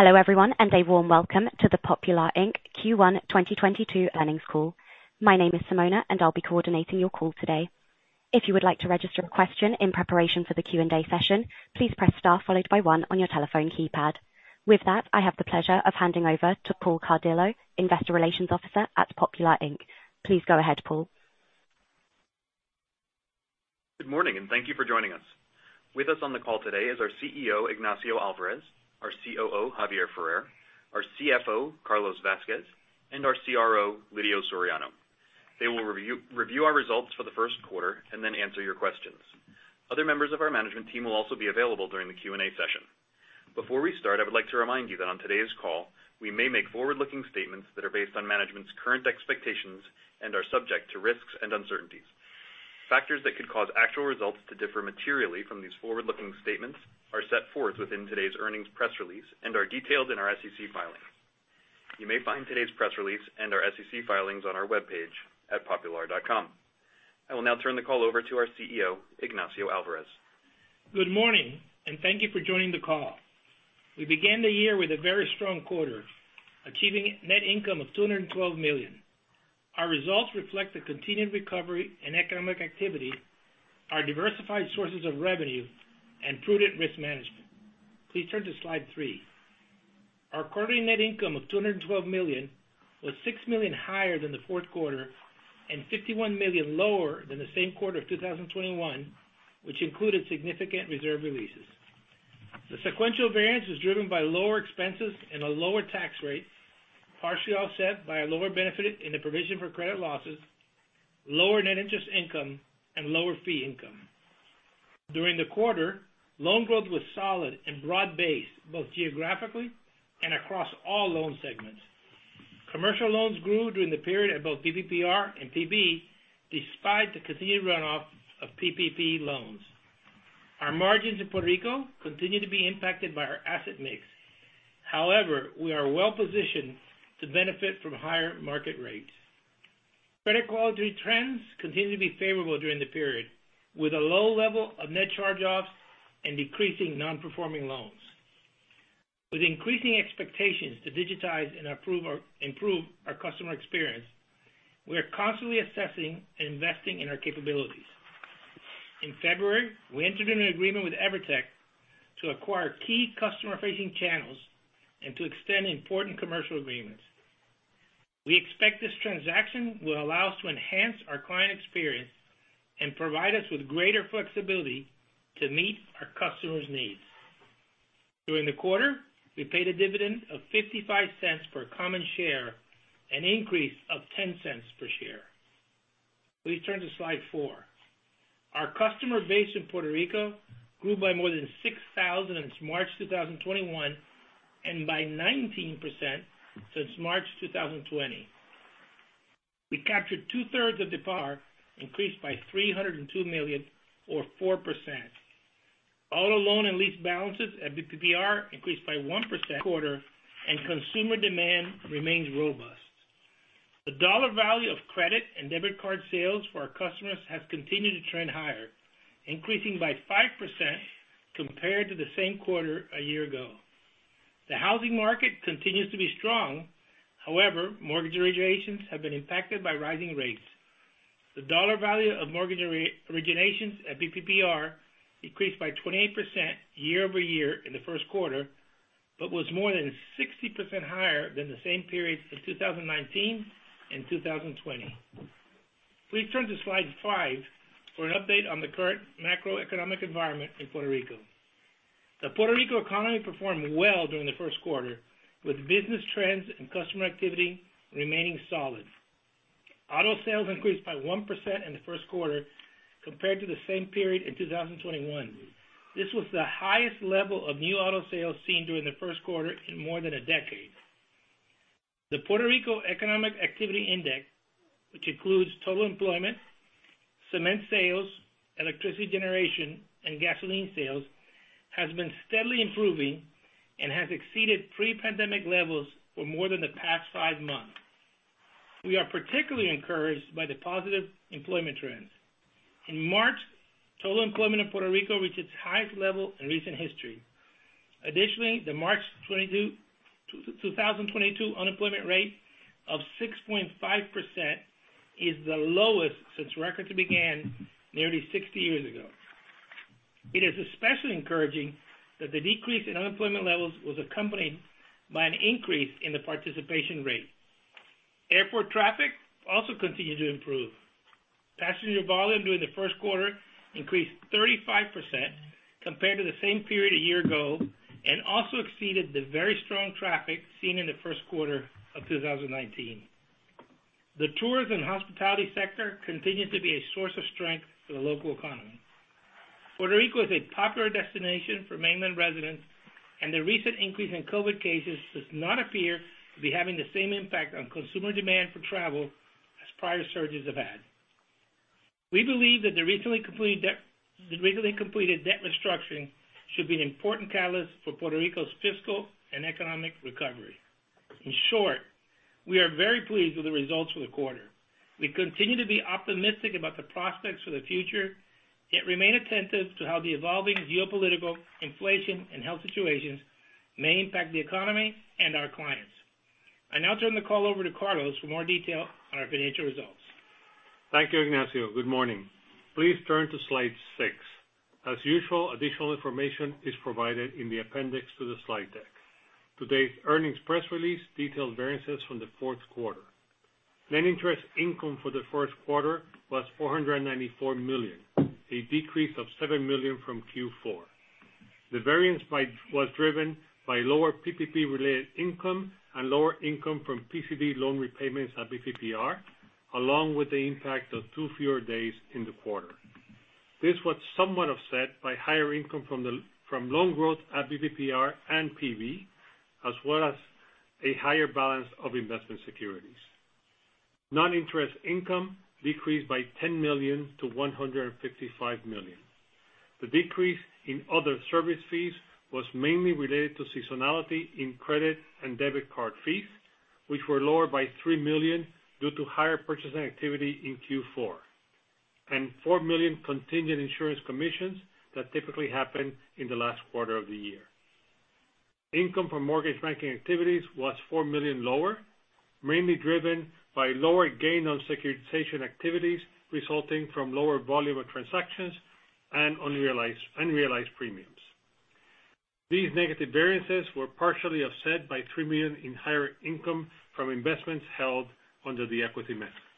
Hello everyone, and a warm welcome to the Popular, Inc. Q1 2022 earnings call. My name is Simona, and I'll be coordinating your call today. If you would like to register a question in preparation for the Q&A session, please press star followed by one on your telephone keypad. With that, I have the pleasure of handing over to Paul Cardillo, Investor Relations Officer at Popular, Inc. Please go ahead, Paul. Good morning, and thank you for joining us. With us on the call today is our CEO, Ignacio Álvarez, our COO, Javier Ferrer, our CFO, Carlos Vázquez, and our CRO, Lidio Soriano. They will review our results for the first quarter and then answer your questions. Other members of our management team will also be available during the Q&A session. Before we start, I would like to remind you that on today's call, we may make forward-looking statements that are based on management's current expectations and are subject to risks and uncertainties. Factors that could cause actual results to differ materially from these forward-looking statements are set forth within today's earnings press release and are detailed in our SEC filings. You may find today's press release and our SEC filings on our webpage at popular.com. I will now turn the call over to our CEO, Ignacio Álvarez. Good morning, and thank you for joining the call. We began the year with a very strong quarter, achieving net income of $212 million. Our results reflect the continued recovery and economic activity, our diversified sources of revenue, and prudent risk management. Please turn to slide three. Our quarterly net income of $212 million was $6 million higher than the fourth quarter and $51 million lower than the same quarter of 2021, which included significant reserve releases. The sequential variance was driven by lower expenses and a lower tax rate, partially offset by a lower benefit in the provision for credit losses, lower net interest income, and lower fee income. During the quarter, loan growth was solid and broad-based, both geographically and across all loan segments. Commercial loans grew during the period at both BPPR and PB, despite the continued runoff of PPP loans. Our margins in Puerto Rico continue to be impacted by our asset mix. However, we are well-positioned to benefit from higher market rates. Credit quality trends continued to be favorable during the period, with a low level of net charge-offs and decreasing non-performing loans. With increasing expectations to digitize and improve our customer experience, we are constantly assessing and investing in our capabilities. In February, we entered an agreement with Evertec to acquire key customer-facing channels and to extend important commercial agreements. We expect this transaction will allow us to enhance our client experience and provide us with greater flexibility to meet our customers' needs. During the quarter, we paid a dividend of $0.55 per common share, an increase of $0.10 per share. Please turn to slide four. Our customer base in Puerto Rico grew by more than 6,000 since March 2021 and by 19% since March 2020. We captured 2/3 of deposits increased by $302 million or 4%. Auto loan and lease balances at BPPR increased by 1% quarter, and consumer demand remains robust. The dollar value of credit and debit card sales for our customers has continued to trend higher, increasing by 5% compared to the same quarter a year ago. The housing market continues to be strong. However, mortgage originations have been impacted by rising rates. The dollar value of mortgage originations at BPPR increased by 28% year-over-year in the first quarter, but was more than 60% higher than the same period in 2019 and 2020. Please turn to slide five for an update on the current macroeconomic environment in Puerto Rico. The Puerto Rico economy performed well during the first quarter, with business trends and customer activity remaining solid. Auto sales increased by 1% in the first quarter compared to the same period in 2021. This was the highest level of new auto sales seen during the first quarter in more than a decade. The Puerto Rico Economic Activity Index, which includes total employment, cement sales, electricity generation, and gasoline sales, has been steadily improving and has exceeded pre-pandemic levels for more than the past five months. We are particularly encouraged by the positive employment trends. In March, total employment in Puerto Rico reached its highest level in recent history. Additionally, the March 2022 unemployment rate of 6.5% is the lowest since records began nearly 60 years ago. It is especially encouraging that the decrease in unemployment levels was accompanied by an increase in the participation rate. Airport traffic also continued to improve. Passenger volume during the first quarter increased 35% compared to the same period a year ago and also exceeded the very strong traffic seen in the first quarter of 2019. The tourism hospitality sector continued to be a source of strength for the local economy. Puerto Rico is a popular destination for mainland residents, and the recent increase in COVID cases does not appear to be having the same impact on consumer demand for travel as prior surges have had. We believe that the recently completed debt restructuring should be an important catalyst for Puerto Rico's fiscal and economic recovery. In short, we are very pleased with the results for the quarter. We continue to be optimistic about the prospects for the future, yet remain attentive to how the evolving geopolitical inflation and health situations may impact the economy and our clients. I now turn the call over to Carlos for more detail on our financial results. Thank you, Ignacio. Good morning. Please turn to slide six. As usual, additional information is provided in the appendix to the slide deck. Today's earnings press release detailed variances from the fourth quarter. Net interest income for the first quarter was $494 million, a decrease of $7 million from Q4. The variance was driven by lower PPP-related income and lower income from PCB loan repayments at BPPR, along with the impact of two fewer days in the quarter. This was somewhat offset by higher income from loan growth at BPPR and PB, as well as a higher balance of investment securities. Non-interest income decreased by $10 million-$155 million. The decrease in other service fees was mainly related to seasonality in credit and debit card fees, which were lower by $3 million due to higher purchasing activity in Q4, and $4 million contingent insurance commissions that typically happen in the last quarter of the year. Income from mortgage banking activities was $4 million lower, mainly driven by lower gain on securitization activities, resulting from lower volume of transactions and unrealized premiums. These negative variances were partially offset by $3 million in higher income from investments held under the equity method.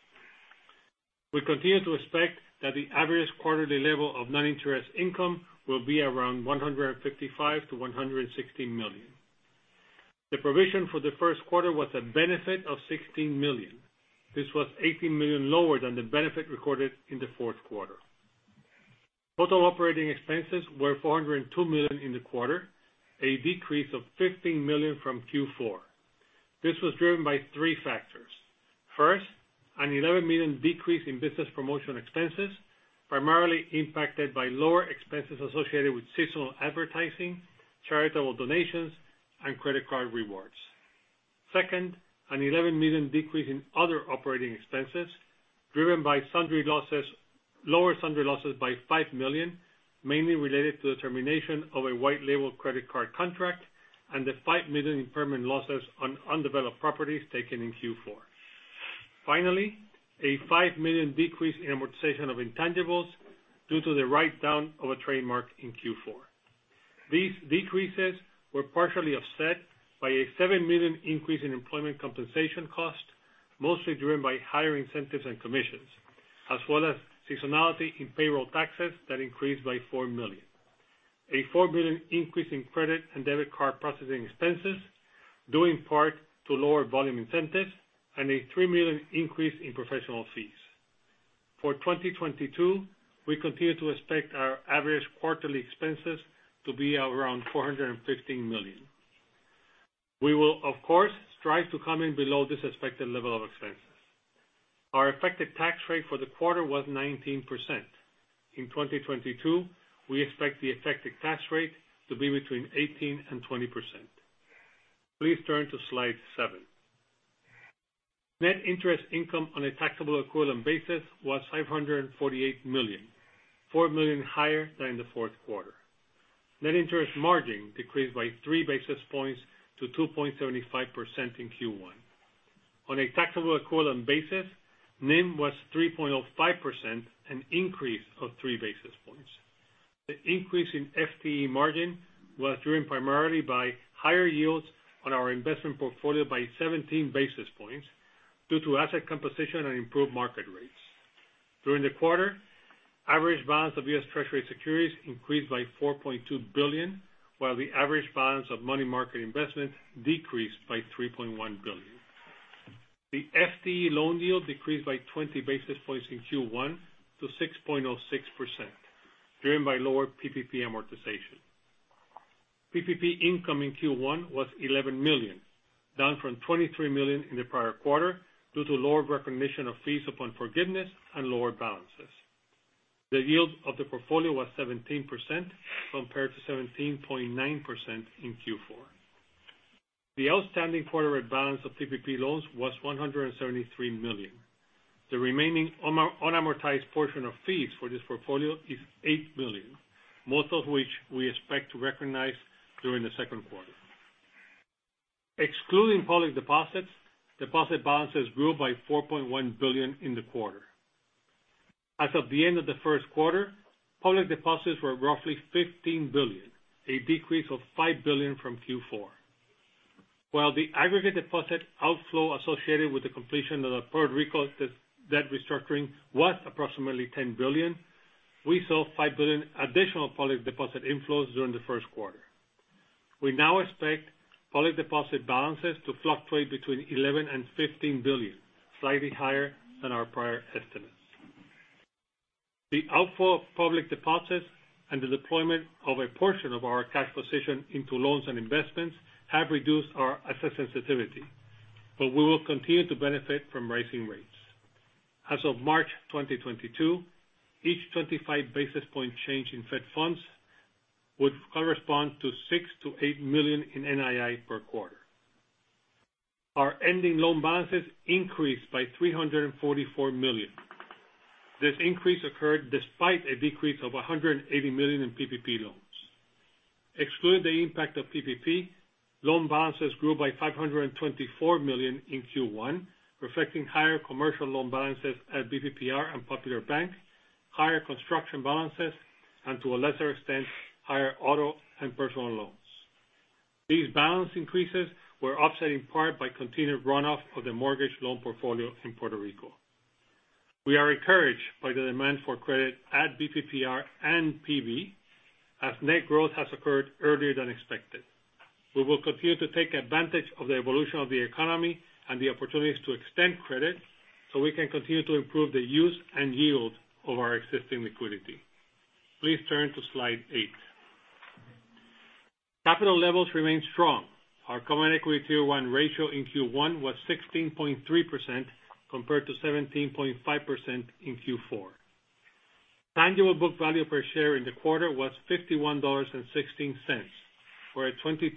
We continue to expect that the average quarterly level of non-interest income will be around $155 million-$160 million. The provision for the first quarter was a benefit of $16 million. This was $18 million lower than the benefit recorded in the fourth quarter. Total operating expenses were $402 million in the quarter, a decrease of $15 million from Q4. This was driven by three factors. First, an $11 million decrease in business promotion expenses, primarily impacted by lower expenses associated with seasonal advertising, charitable donations, and credit card rewards. Second, an $11 million decrease in other operating expenses driven by sundry losses, lower sundry losses by $5 million, mainly related to the termination of a white label credit card contract and the $5 million impairment losses on undeveloped properties taken in Q4. Finally, a $5 million decrease in amortization of intangibles due to the write-down of a trademark in Q4. These decreases were partially offset by a $7 million increase in employment compensation costs, mostly driven by higher incentives and commissions, as well as seasonality in payroll taxes that increased by $4 million. A $4 million increase in credit and debit card processing expenses, due in part to lower volume incentives, and a $3 million increase in professional fees. For 2022, we continue to expect our average quarterly expenses to be around $415 million. We will, of course, strive to come in below this expected level of expenses. Our effective tax rate for the quarter was 19%. In 2022, we expect the effective tax rate to be between 18% and 20%. Please turn to slide seven. Net interest income on a taxable equivalent basis was $548 million, $4 million higher than the fourth quarter. Net interest margin decreased by 3 basis points to 2.75% in Q1. On a taxable equivalent basis, NIM was 3.05%, an increase of 3 basis points. The increase in FTE margin was driven primarily by higher yields on our investment portfolio by 17 basis points due to asset composition and improved market rates. During the quarter, average balance of U.S. Treasury securities increased by $4.2 billion, while the average balance of money market investment decreased by $3.1 billion. The FTE loan yield decreased by 20 basis points in Q1 to 6.06%, driven by lower PPP amortization. PPP income in Q1 was $11 million, down from $23 million in the prior quarter, due to lower recognition of fees upon forgiveness and lower balances. The yield of the portfolio was 17% compared to 17.9% in Q4. The outstanding quarter-end balance of PPP loans was $173 million. The remaining unamortized portion of fees for this portfolio is $8 million, most of which we expect to recognize during the second quarter. Excluding public deposits, deposit balances grew by $4.1 billion in the quarter. As of the end of the first quarter, public deposits were roughly $15 billion, a decrease of $5 billion from Q4. While the aggregate deposit outflow associated with the completion of the Puerto Rico debt restructuring was approximately $10 billion, we saw $5 billion additional public deposit inflows during the first quarter. We now expect public deposit balances to fluctuate between $11 billion and $15 billion, slightly higher than our prior estimates. The outflow of public deposits and the deployment of a portion of our cash position into loans and investments have reduced our asset sensitivity, but we will continue to benefit from rising rates. As of March 2022, each 25 basis points change in Fed funds would correspond to $6 million-$8 million in NII per quarter. Our ending loan balances increased by $344 million. This increase occurred despite a decrease of $180 million in PPP loans. Excluding the impact of PPP, loan balances grew by $524 million in Q1, reflecting higher commercial loan balances at BPPR and Popular Bank, higher construction balances, and to a lesser extent, higher auto and personal loans. These balance increases were offset in part by continued runoff of the mortgage loan portfolio in Puerto Rico. We are encouraged by the demand for credit at BPPR and PB as net growth has occurred earlier than expected. We will continue to take advantage of the evolution of the economy and the opportunities to extend credit so we can continue to improve the use and yield of our existing liquidity. Please turn to slide eight. Capital levels remain strong. Our common equity Tier 1 ratio in Q1 was 16.3% compared to 17.5% in Q4. Tangible book value per share in the quarter was $51.16 for a 22%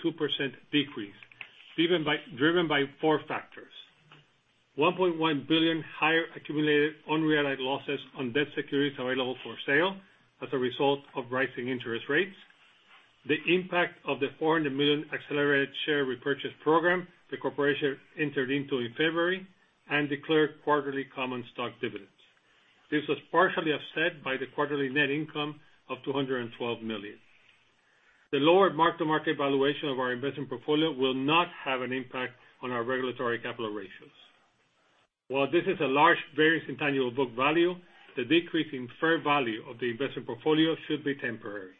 decrease driven by four factors. $1.1 billion higher accumulated unrealized losses on debt securities available for sale as a result of rising interest rates, the impact of the $400 million accelerated share repurchase program the corporation entered into in February, and declared quarterly common stock dividends. This was partially offset by the quarterly net income of $212 million. The lower mark-to-market valuation of our investment portfolio will not have an impact on our regulatory capital ratios. While this is a large variance in tangible book value, the decrease in fair value of the investment portfolio should be temporary.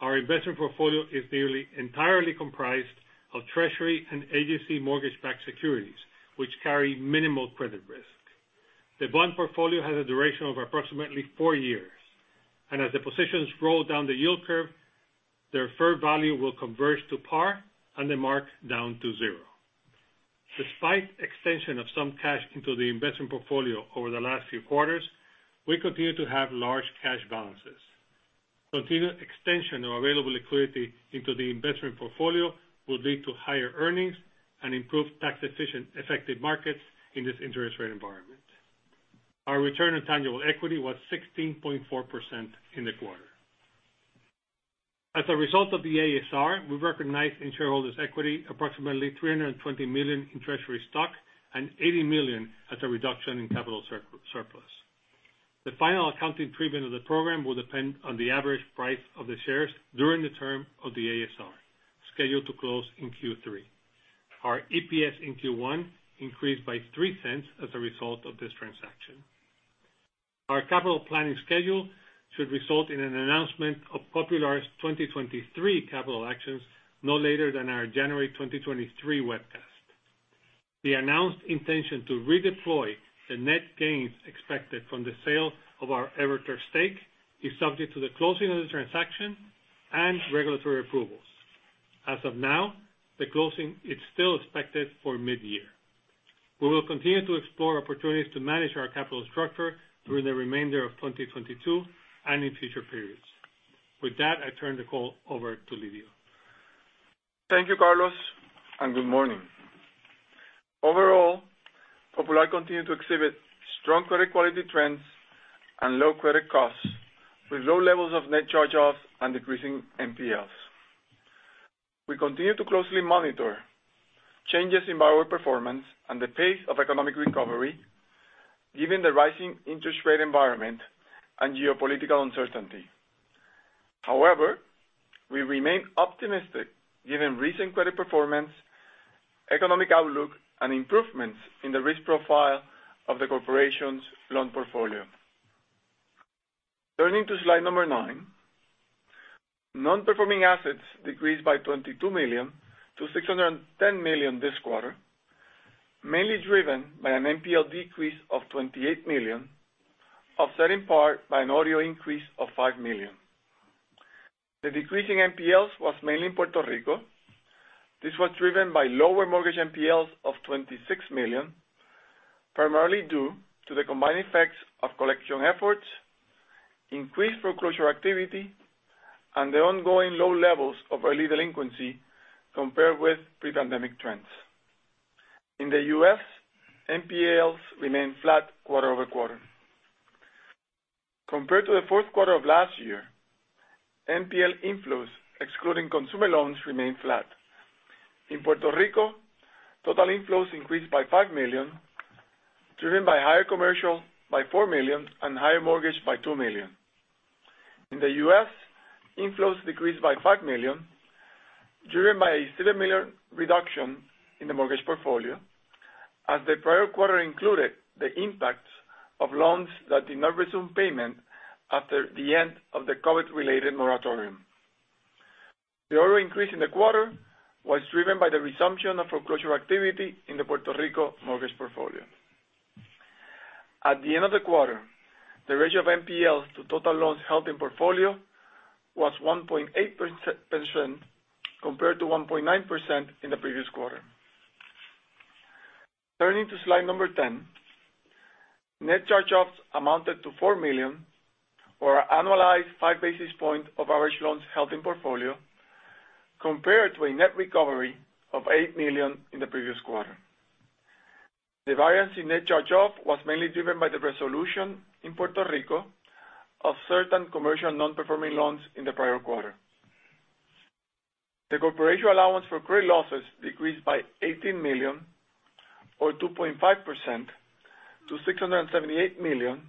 Our investment portfolio is nearly entirely comprised of treasury and agency mortgage-backed securities, which carry minimal credit risk. The bond portfolio has a duration of approximately four years, and as the positions roll down the yield curve, their fair value will converge to par and the mark down to zero. Despite extension of some cash into the investment portfolio over the last few quarters, we continue to have large cash balances. Continued extension of available liquidity into the investment portfolio will lead to higher earnings and improve tax-efficient effective markets in this interest rate environment. Our return on tangible equity was 16.4% in the quarter. As a result of the ASR, we recognized in shareholders' equity approximately $320 million in treasury stock and $80 million as a reduction in capital surplus. The final accounting treatment of the program will depend on the average price of the shares during the term of the ASR, scheduled to close in Q3. Our EPS in Q1 increased by $0.03 as a result of this transaction. Our capital planning schedule should result in an announcement of Popular's 2023 capital actions no later than our January 2023 webcast. The announced intention to redeploy the net gains expected from the sale of our Evertec stake is subject to the closing of the transaction and regulatory approvals. As of now, the closing is still expected for mid-year. We will continue to explore opportunities to manage our capital structure through the remainder of 2022 and in future periods. With that, I turn the call over to Lidio. Thank you, Carlos, and good morning. Overall, Popular continued to exhibit strong credit quality trends and low credit costs, with low levels of net charge-offs and decreasing NPLs. We continue to closely monitor changes in borrower performance and the pace of economic recovery given the rising interest rate environment and geopolitical uncertainty. However, we remain optimistic given recent credit performance, economic outlook, and improvements in the risk profile of the corporation's loan portfolio. Turning to slide nine. Non-performing assets decreased by $22 million to $610 million this quarter, mainly driven by an NPL decrease of $28 million, offset in part by an OREO increase of $5 million. The decrease in NPLs was mainly in Puerto Rico. This was driven by lower mortgage NPLs of $26 million, primarily due to the combined effects of collection efforts, increased foreclosure activity, and the ongoing low levels of early delinquency compared with pre-pandemic trends. In the U.S., NPLs remained flat quarter-over-quarter. Compared to the fourth quarter of last year, NPL inflows, excluding consumer loans, remained flat. In Puerto Rico, total inflows increased by $5 million, driven by higher commercial by $4 million and higher mortgage by $2 million. In the U.S., inflows decreased by $5 million, driven by a $7 million reduction in the mortgage portfolio as the prior quarter included the impacts of loans that did not resume payment after the end of the COVID-related moratorium. The OREO increase in the quarter was driven by the resumption of foreclosure activity in the Puerto Rico mortgage portfolio. At the end of the quarter, the ratio of NPLs to total loans held in portfolio was 1.8% compared to 1.9% in the previous quarter. Turning to slide number 10, net charge-offs amounted to $4 million or annualized 5 basis points of average loans held in portfolio compared to a net recovery of $8 million in the previous quarter. The variance in net charge-off was mainly driven by the resolution in Puerto Rico of certain commercial non-performing loans in the prior quarter. The Corporation's allowance for credit losses decreased by $18 million or 2.5% to $678 million,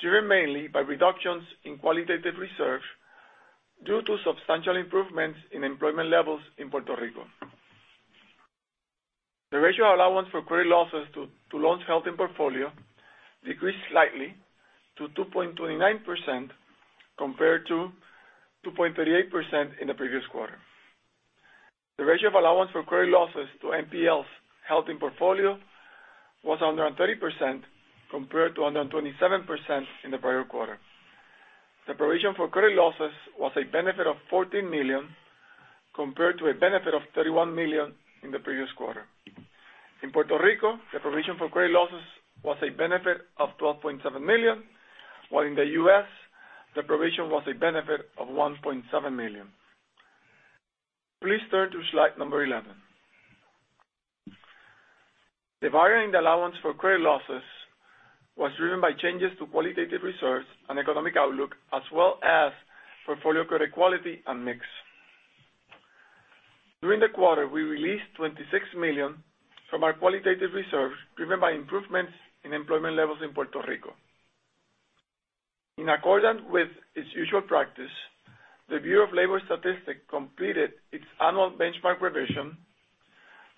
driven mainly by reductions in qualitative reserves due to substantial improvements in employment levels in Puerto Rico. The ratio of allowance for credit losses to loans held in portfolio decreased slightly to 2.29% compared to 2.38% in the previous quarter. The ratio of allowance for credit losses to NPLs held in portfolio was 130% compared to 127% in the prior quarter. The provision for credit losses was a benefit of $14 million compared to a benefit of $31 million in the previous quarter. In Puerto Rico, the provision for credit losses was a benefit of $12.7 million, while in the U.S. the provision was a benefit of $1.7 million. Please turn to slide number 11. The varying allowance for credit losses was driven by changes to qualitative reserves and economic outlook as well as portfolio credit quality and mix. During the quarter, we released $26 million from our qualitative reserves, driven by improvements in employment levels in Puerto Rico. In accordance with its usual practice, the Bureau of Labor Statistics completed its annual benchmark revision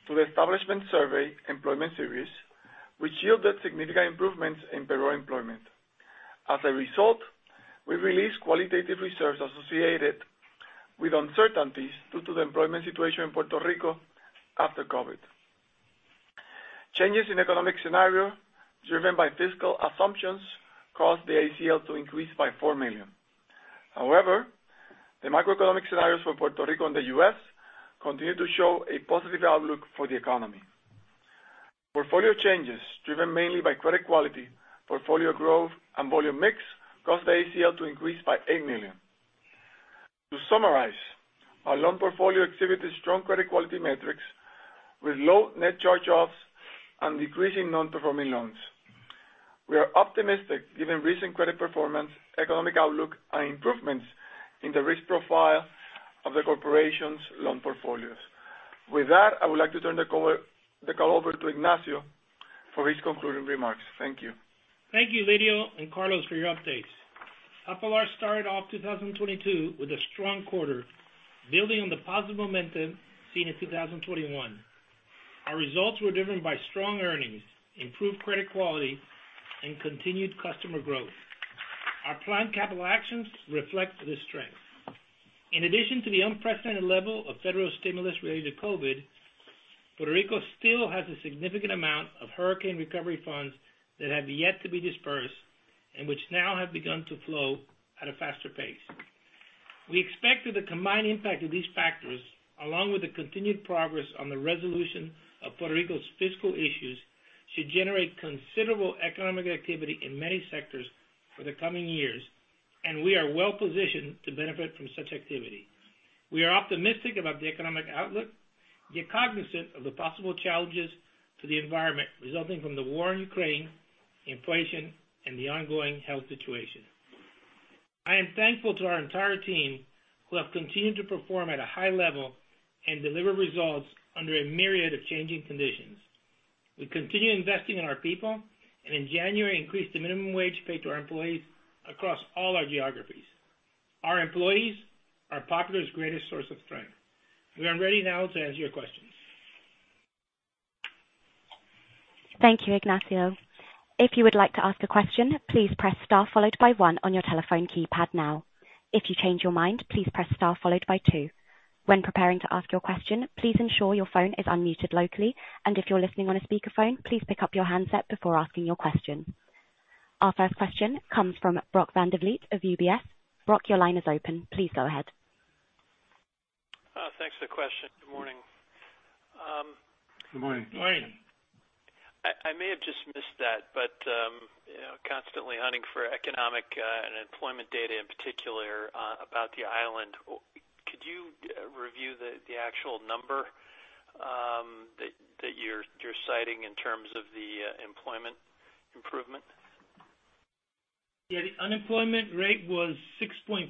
to the Establishment Survey Employment Series, which yielded significant improvements in payroll employment. As a result, we released qualitative reserves associated with uncertainties due to the employment situation in Puerto Rico after COVID. Changes in economic scenario driven by fiscal assumptions caused the ACL to increase by $4 million. However, the macroeconomic scenarios for Puerto Rico and the U.S. continue to show a positive outlook for the economy. Portfolio changes driven mainly by credit quality, portfolio growth and volume mix caused the ACL to increase by $8 million. To summarize, our loan portfolio exhibited strong credit quality metrics with low net charge offs and decreasing non-performing loans. We are optimistic given recent credit performance, economic outlook and improvements in the risk profile of the corporation's loan portfolios. With that, I would like to turn the call over to Ignacio for his concluding remarks. Thank you. Thank you, Lidio and Carlos for your updates. Popular started off 2022 with a strong quarter building on the positive momentum seen in 2021. Our results were driven by strong earnings, improved credit quality and continued customer growth. Our planned capital actions reflect this strength. In addition to the unprecedented level of federal stimulus related to COVID, Puerto Rico still has a significant amount of hurricane recovery funds that have yet to be dispersed and which now have begun to flow at a faster pace. We expect that the combined impact of these factors, along with the continued progress on the resolution of Puerto Rico's fiscal issues, should generate considerable economic activity in many sectors for the coming years, and we are well positioned to benefit from such activity. We are optimistic about the economic outlook, yet cognizant of the possible challenges to the environment resulting from the war in Ukraine, inflation and the ongoing health situation. I am thankful to our entire team who have continued to perform at a high level and deliver results under a myriad of changing conditions. We continue investing in our people and in January increased the minimum wage paid to our employees across all our geographies. Our employees are Popular's greatest source of strength. We are ready now to answer your questions. Thank you, Ignacio. If you would like to ask a question, please press star followed by one on your telephone keypad now. If you change your mind, please press star followed by two. When preparing to ask your question, please ensure your phone is unmuted locally, and if you're listening on a speakerphone, please pick up your handset before asking your question. Our first question comes from Brock Vandervliet of UBS. Brock, your line is open. Please go ahead. Thanks for the question. Good morning. Good morning. Morning. I may have just missed that, but constantly hunting for economic and employment data in particular about the island. Could you review the actual number that you're citing in terms of the employment improvement? Yeah, the unemployment rate was 6.5%.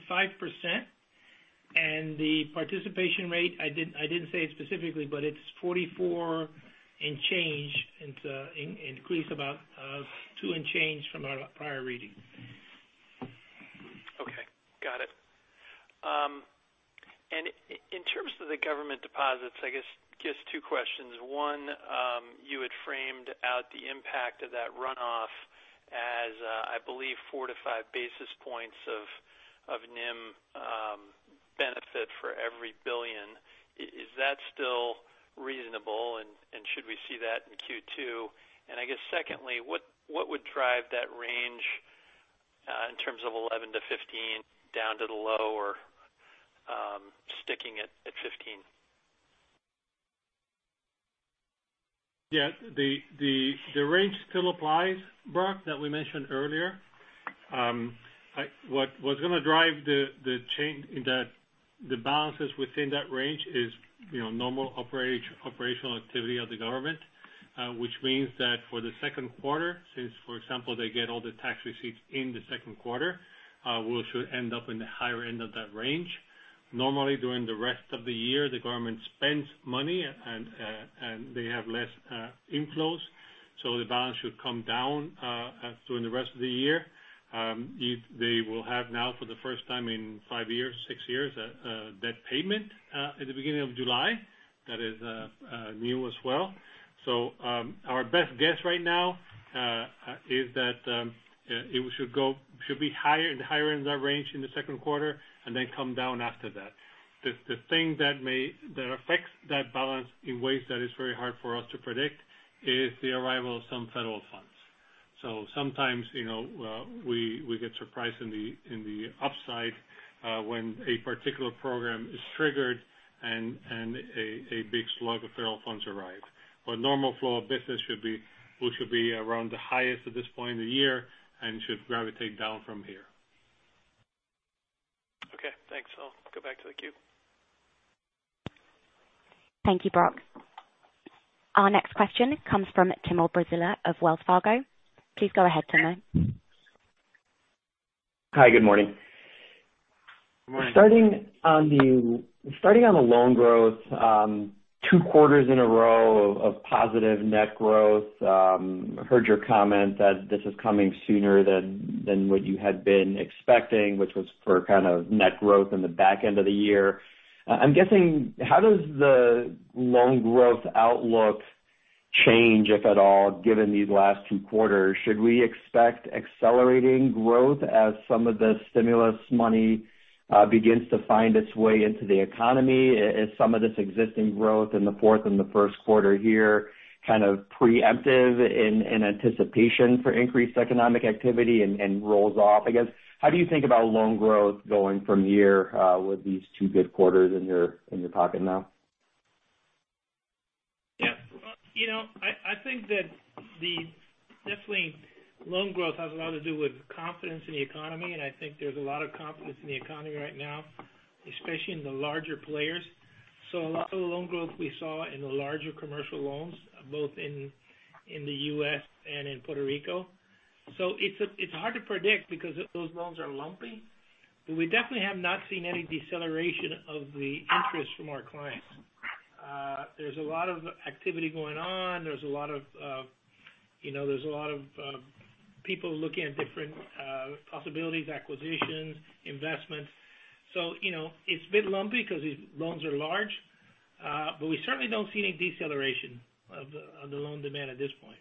The participation rate, I didn't say it specifically, but it's 44 and change. It increased about 2% and change from our prior reading. Okay, got it. In terms of the government deposits, I guess just two questions. One, you had framed out the impact of that runoff as, I believe 4 basis points-5 basis points of NIM benefit for every billion. Is that still reasonable and should we see that in Q2? I guess secondly, what would drive that range in terms of 11 basis points-15 basis points down to the lower, sticking at 15 basis points? Yeah. The range still applies, Brock, that we mentioned earlier. What’s gonna drive the change in that the balances within that range is, you know, normal operational activity of the government. Which means that for the second quarter, since, for example, they get all the tax receipts in the second quarter, we should end up in the higher end of that range. Normally, during the rest of the year, the government spends money and they have less inflows. So the balance should come down during the rest of the year. If they will have now for the first time in five years, six years, debt payment at the beginning of July, that is new as well. Our best guess right now is that it should be higher, in the higher end of that range in the second quarter and then come down after that. The thing that affects that balance in ways that is very hard for us to predict is the arrival of some federal funds. Sometimes, you know, we get surprised in the upside when a particular program is triggered and a big slug of federal funds arrive. But normal flow of business should be we should be around the highest at this point in the year and should gravitate down from here. Okay, thanks. I'll go back to the queue. Thank you, Brock. Our next question comes from Timur Braziler of Wells Fargo. Please go ahead, Timur. Hi. Good morning. Good morning. Starting on the loan growth, two quarters in a row of positive net growth. Heard your comment that this is coming sooner than what you had been expecting, which was for kind of net growth in the back end of the year. I'm guessing how does the loan growth outlook change, if at all, given these last two quarters? Should we expect accelerating growth as some of the stimulus money begins to find its way into the economy? Is some of this existing growth in the fourth and the first quarter here kind of preemptive in anticipation for increased economic activity and rolls off, I guess. How do you think about loan growth going from here, with these two good quarters in your pocket now? Yeah. Well, you know, I think definitely loan growth has a lot to do with confidence in the economy, and I think there's a lot of confidence in the economy right now, especially in the larger players. A lot of the loan growth we saw in the larger commercial loans, both in the U.S. and in Puerto Rico. It's hard to predict because those loans are lumpy. We definitely have not seen any deceleration of the interest from our clients. There's a lot of activity going on. There's a lot of people looking at different possibilities, acquisitions, investments. You know, it's a bit lumpy because these loans are large, but we certainly don't see any deceleration of the loan demand at this point.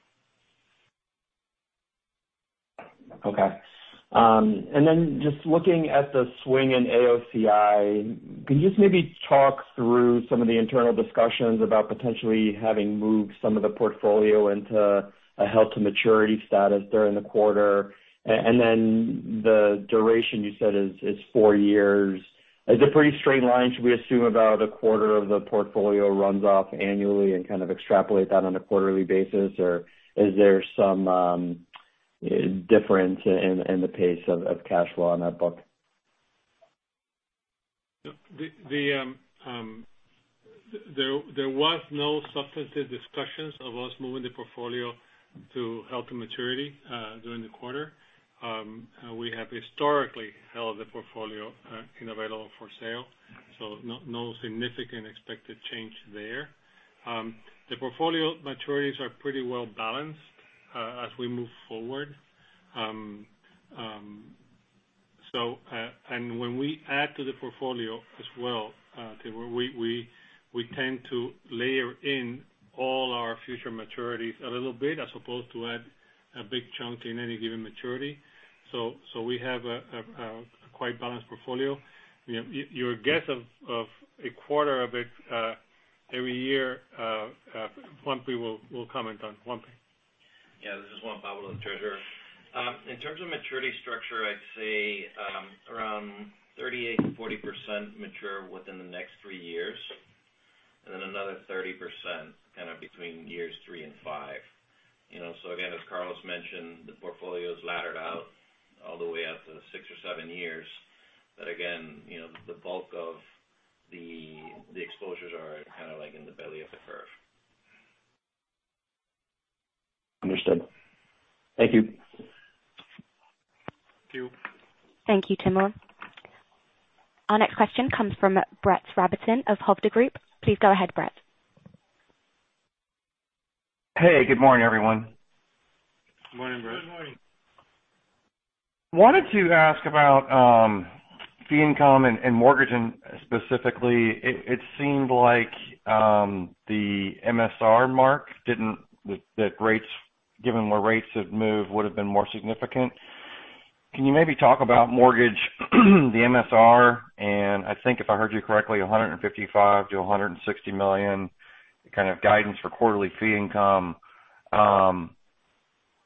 Okay. Just looking at the swing in AOCI, can you just maybe talk through some of the internal discussions about potentially having moved some of the portfolio into a held to maturity status during the quarter? The duration you said is four years. Is it pretty straight line? Should we assume about a quarter of the portfolio runs off annually and kind of extrapolate that on a quarterly basis? Or is there some difference in the pace of cash flow on that book? There was no substantive discussions of us moving the portfolio to held to maturity during the quarter. We have historically held the portfolio in available for sale, so no significant expected change there. The portfolio maturities are pretty well balanced as we move forward. When we add to the portfolio as well, we tend to layer in all our future maturities a little bit as opposed to add a big chunk in any given maturity. We have a quite balanced portfolio. You know, your guess of a quarter of it every year, Juan Pablo will comment on. Yeah, this is Juan Pablo, the Treasurer. In terms of maturity structure, I'd say around 38%-40% mature within the next three years, and then another 30% kind of between years three and five. You know, so again, as Carlos mentioned, the portfolio is laddered out all the way out to six or seven years. Again, you know, the bulk of the exposures are kind of like in the belly of the curve. Understood. Thank you. Thank you. Thank you, Timur. Our next question comes from Brett Rabatin of Hovde Group. Please go ahead, Brett. Hey, good morning, everyone. Good morning, Brett. Good morning. Wanted to ask about fee income and mortgaging specifically. It seemed like the MSR mark, given where rates have moved, would have been more significant. Can you maybe talk about mortgage and the MSR, and I think if I heard you correctly, $155 million-$160 million kind of guidance for quarterly fee income.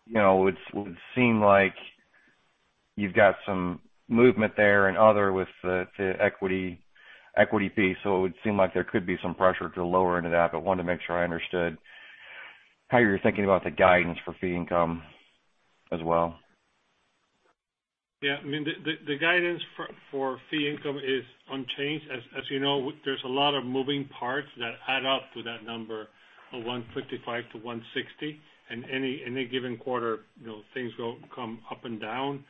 You know, it would seem like you've got some movement there and otherwise with the equity fees. It would seem like there could be some pressure to lower into that, but I wanted to make sure I understood how you're thinking about the guidance for fee income as well. Yeah. I mean, the guidance for fee income is unchanged. As you know, there's a lot of moving parts that add up to that number of $155 million-$160 million. In any given quarter, you know, things come up and down.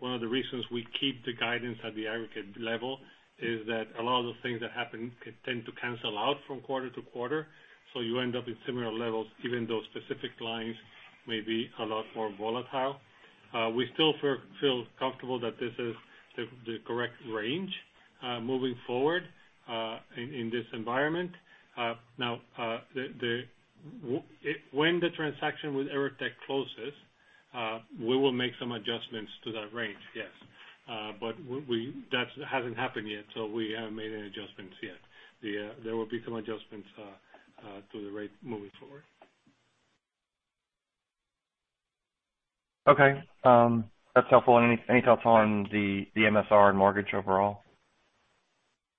One of the reasons we keep the guidance at the aggregate level is that a lot of the things that happen tend to cancel out from quarter to quarter, so you end up with similar levels, even though specific lines may be a lot more volatile. We still feel comfortable that this is the correct range moving forward in this environment. Now, when the transaction with Evertec closes, we will make some adjustments to that range, yes. We That hasn't happened yet, so we haven't made any adjustments yet. There will be some adjustments to the rate moving forward. Okay. That's helpful. Any thoughts on the MSR and mortgage overall?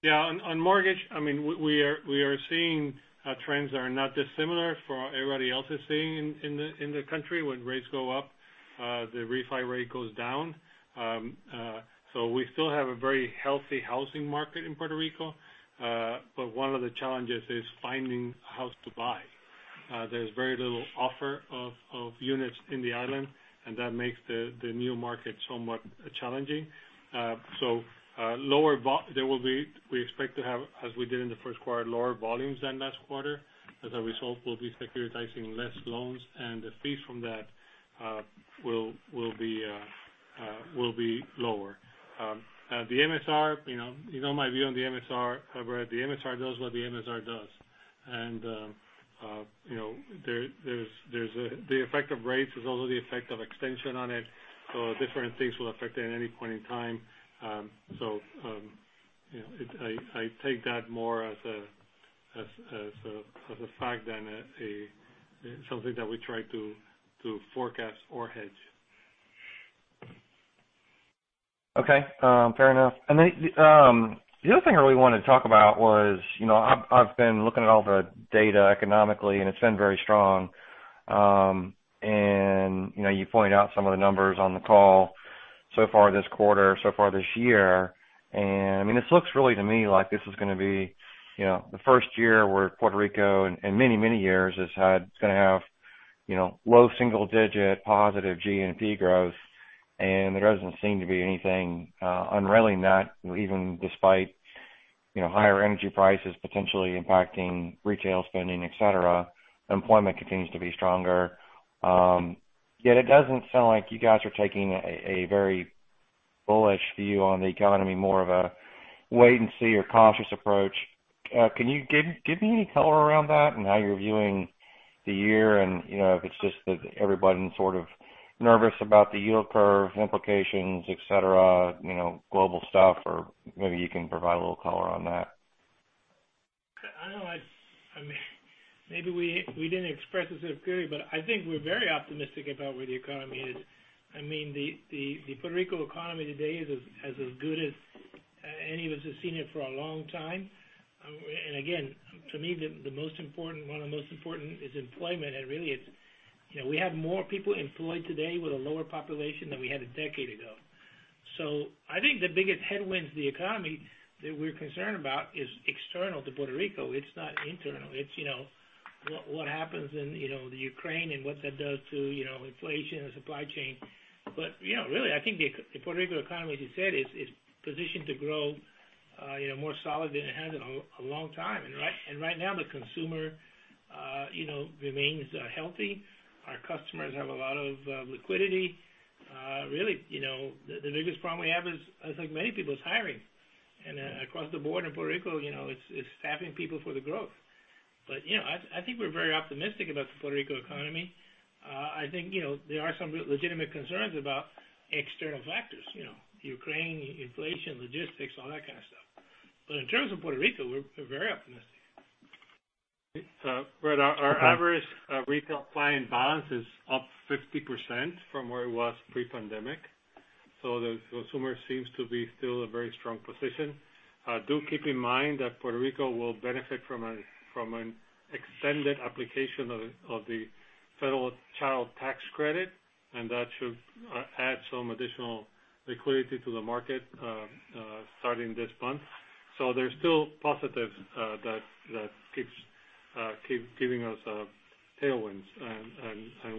On mortgage, I mean, we are seeing trends that are not dissimilar to what everybody else is seeing in the country. When rates go up, the refi rate goes down. We still have a very healthy housing market in Puerto Rico. One of the challenges is finding a house to buy. There's very little offer of units in the island, and that makes the new market somewhat challenging. We expect to have, as we did in the first quarter, lower volumes than last quarter. As a result, we'll be securitizing less loans, and the fees from that will be lower. The MSR, you know. You know my view on the MSR. However, the MSR does what the MSR does. You know, the effect of rates is also the effect of extension on it. Different things will affect it at any point in time. You know, I take that more as a fact than a something that we try to forecast or hedge. Okay. Fair enough. Then the other thing I really wanted to talk about was, you know, I've been looking at all the data economically, and it's been very strong. You know, you pointed out some of the numbers on the call so far this quarter, so far this year. I mean, this looks really to me like this is gonna be the first year where Puerto Rico in many years is gonna have low single digit positive GNP growth. There doesn't seem to be anything unraveling that even despite higher energy prices potentially impacting retail spending, et cetera. Employment continues to be stronger. Yet it doesn't sound like you guys are taking a very bullish view on the economy, more of a wait and see or cautious approach. Can you give me any color around that and how you're viewing the year and, you know, if it's just that everybody's sort of nervous about the yield curve implications, et cetera, you know, global stuff, or maybe you can provide a little color on that? I mean, maybe we didn't express this in the period, but I think we're very optimistic about where the economy is. I mean, the Puerto Rico economy today is as good as any of us has seen it for a long time. Again, to me, the most important one of the most important is employment. Really it's, you know, we have more people employed today with a lower population than we had a decade ago. I think the biggest headwinds to the economy that we're concerned about is external to Puerto Rico. It's not internal. It's, you know, what happens in, you know, Ukraine and what that does to, you know, inflation and supply chain. You know, really, I think the Puerto Rico economy, as you said, is positioned to grow, you know, more solid than it has in a long time. Right now the consumer, you know, remains healthy. Our customers have a lot of liquidity. Really, you know, the biggest problem we have is, I think many people are hiring. Across the board in Puerto Rico, you know, it's staffing people for the growth. You know, I think we're very optimistic about the Puerto Rico economy. I think, you know, there are some legitimate concerns about external factors, you know, Ukraine, inflation, logistics, all that kind of stuff. In terms of Puerto Rico, we're very optimistic. Brett, our average retail client balance is up 50% from where it was pre-pandemic. The consumer seems to be still in a very strong position. Do keep in mind that Puerto Rico will benefit from an extended application of the Federal Child Tax Credit, and that should add some additional liquidity to the market starting this month. There's still positives that keep giving us tailwinds.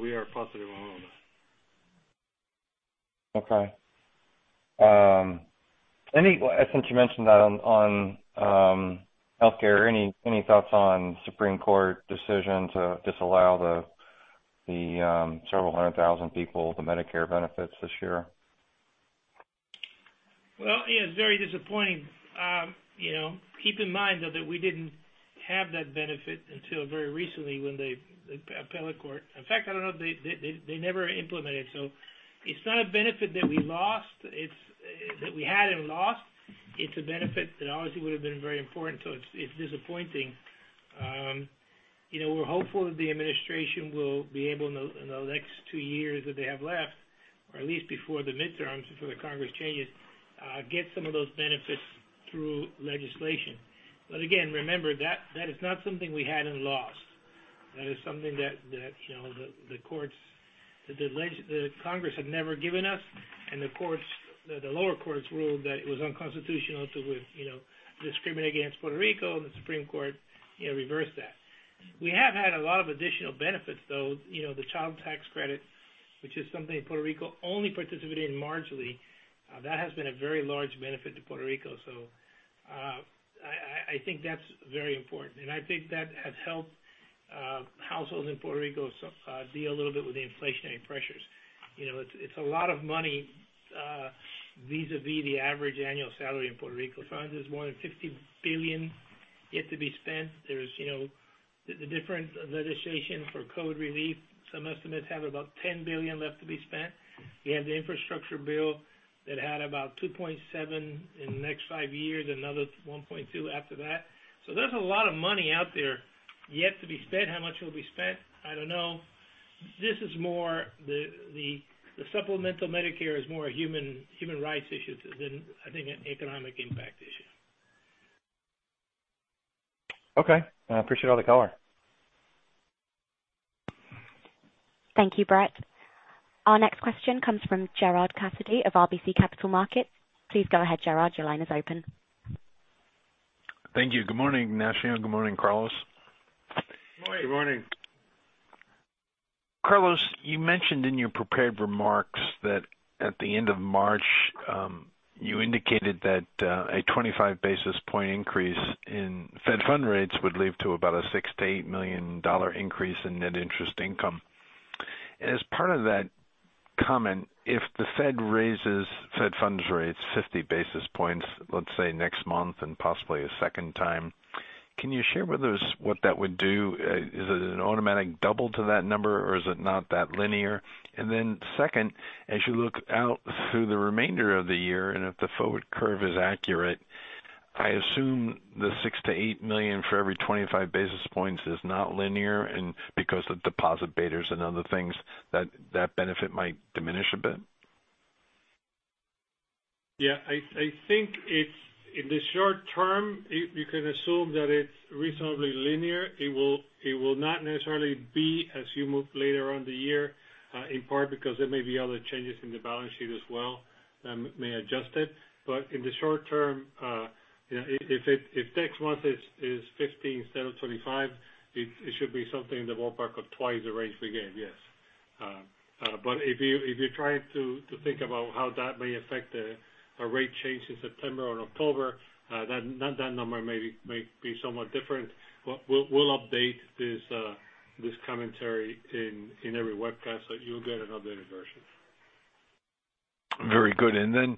We are positive on all of that. Since you mentioned that on healthcare, any thoughts on Supreme Court decision to disallow the several hundred thousand people the Medicare benefits this year? Well, yeah, it's very disappointing. You know, keep in mind though that we didn't have that benefit until very recently when the appellate court. In fact, I don't know they never implemented it. So it's not a benefit that we lost. It's that we had and lost. It's a benefit that obviously would have been very important, so it's disappointing. You know, we're hopeful that the administration will be able, in the next two years that they have left, or at least before the midterms, before the Congress changes, get some of those benefits through legislation. But again, remember, that is not something we had and lost. That is something that you know, the courts, the Congress had never given us and the courts, the lower courts ruled that it was unconstitutional to you know, discriminate against Puerto Rico and the Supreme Court you know, reversed that. We have had a lot of additional benefits though, you know, the Child Tax Credit, which is something Puerto Rico only participated in marginally. That has been a very large benefit to Puerto Rico. I think that's very important. I think that has helped households in Puerto Rico deal a little bit with the inflationary pressures. You know, it's a lot of money vis-a-vis the average annual salary in Puerto Rico. There's more than $50 billion yet to be spent. There's you know, the different legislation for code relief. Some estimates have about $10 billion left to be spent. You have the infrastructure bill that had about $2.7 billion in the next five years, another $1.2 billion after that. There's a lot of money out there yet to be spent. How much will be spent? I don't know. This is more the supplemental Medicare is more a human rights issue than I think an economic impact issue. Okay. I appreciate all the color. Thank you, Brett. Our next question comes from Gerard Cassidy of RBC Capital Markets. Please go ahead, Gerard. Your line is open. Thank you. Good morning, Ignacio. Good morning, Carlos. Morning. Good morning. Carlos, you mentioned in your prepared remarks that at the end of March, you indicated that a 25 basis point increase in federal funds rate would lead to about a $6 million-$8 million increase in net interest income. As part of that comment, if the Fed raises federal funds rate 50 basis points, let's say, next month and possibly a second time, can you share with us what that would do? Is it an automatic double to that number or is it not that linear? Then second, as you look out through the remainder of the year and if the forward curve is accurate, I assume the $6 million-$8 million for every 25 basis points is not linear and because of deposit betas and other things that benefit might diminish a bit? Yeah. I think it's in the short term, you can assume that it's reasonably linear. It will not necessarily be as you move later on in the year, in part because there may be other changes in the balance sheet as well that may adjust it. In the short term, if next month is 15 instead of 25, it should be something in the ballpark of twice the range we gave. Yes. If you're trying to think about how that may affect a rate change in September or October, that number may be somewhat different. We'll update this commentary in every webcast, so you'll get an updated version. Very good. Then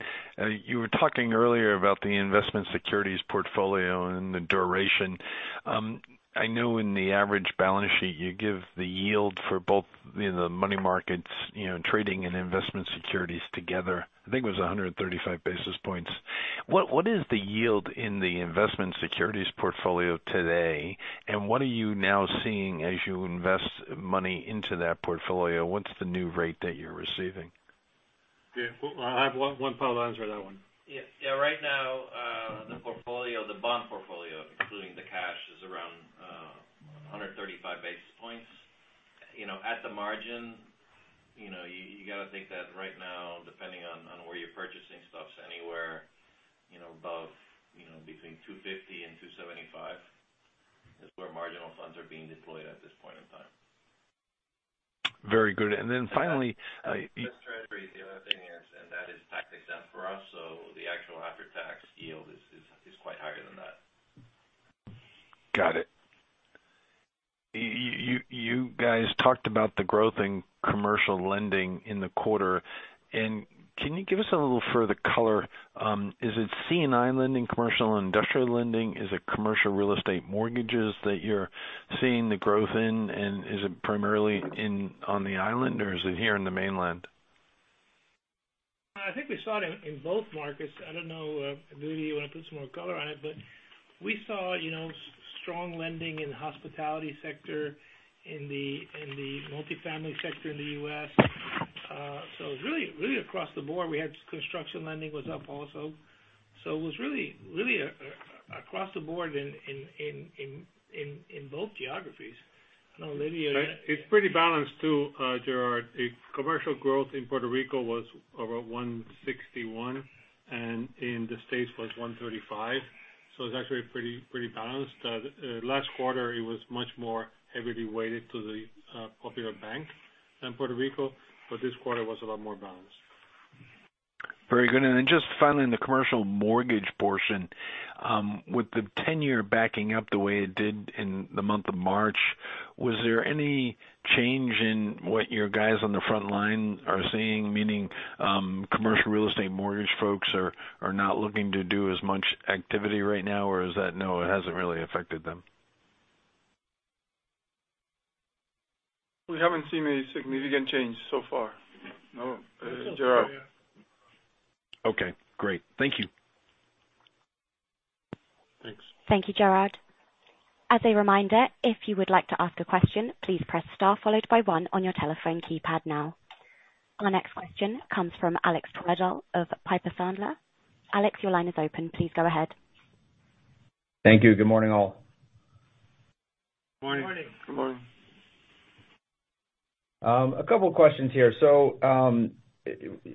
you were talking earlier about the investment securities portfolio and the duration. I know in the average balance sheet you give the yield for both the money markets, you know, trading and investment securities together. I think it was 135 basis points. What is the yield in the investment securities portfolio today? What are you now seeing as you invest money into that portfolio? What's the new rate that you're receiving? Yeah. I'll have Juan Pablo answer that one. Yeah. Right now, the portfolio, the bond portfolio, including the cash, is around 135 basis points. You know, at the margin, you know, you got to think that right now depending on where you're purchasing stuff's anywhere, you know, above, you know, between 250 and 275 is where marginal funds are being deployed at this point in time. Very good. Finally. That's Treasury. The other thing is and that is tax-exempt for us. The actual after-tax yield is quite higher than that. Got it. You guys talked about the growth in commercial lending in the quarter. Can you give us a little further color? Is it C&I lending, Commercial and Industrial lending? Is it commercial real estate mortgages that you're seeing the growth in? Is it primarily in on the island or is it here in the mainland? I think we saw it in both markets. I don't know if you want to put some more color on it. We saw strong lending in the hospitality sector, in the multifamily sector in the U.S. Really across the board. We had construction lending was up also. It was really across the board in both geographies. I know Lidio. It's pretty balanced too, Gerard. The commercial growth in Puerto Rico was over 1.61% and in the States was 1.35%. It's actually pretty balanced. Last quarter it was much more heavily weighted to the Popular Bank in Puerto Rico, but this quarter was a lot more balanced. Very good. Just finally in the commercial mortgage portion, with the 10-year backing up the way it did in the month of March. Was there any change in what your guys on the front line are seeing? Meaning, commercial real estate mortgage folks are not looking to do as much activity right now? Or is that, no, it hasn't really affected them. We haven't seen a significant change so far. No, Gerard. Okay, great. Thank you. Thanks. Thank you, Gerard. As a reminder, if you would like to ask a question, please press star followed by one on your telephone keypad now. Our next question comes from Alex Twerdahl of Piper Sandler. Alex, your line is open. Please go ahead. Thank you. Good morning, all. Morning. Good morning. A couple of questions here.